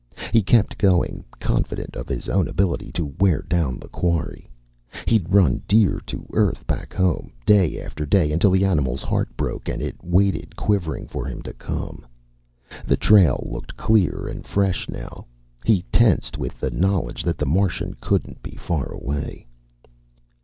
He kept going, confident of his own ability to wear down the quarry. He'd run deer to earth back home, day after day until the animal's heart broke and it waited quivering for him to come. The trail looked clear and fresh now. He tensed with the knowledge that the Martian couldn't be far away.